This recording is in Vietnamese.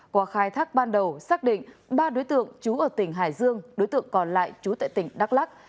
qua khai thác ban đầu xác định ba đối tượng trú ở tỉnh hải dương đối tượng còn lại trú tại tỉnh đắk lắc